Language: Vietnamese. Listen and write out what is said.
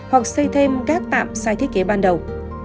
hoặc xây thêm các tạm sai thiết kế ban đầu